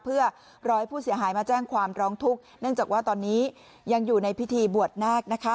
เพื่อรอให้ผู้เสียหายมาแจ้งความร้องทุกข์เนื่องจากว่าตอนนี้ยังอยู่ในพิธีบวชนาคนะคะ